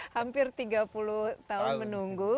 hampir tiga puluh tahun menunggu